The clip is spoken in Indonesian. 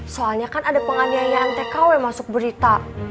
soalnya kan ada penganiayaan tkw masuk berita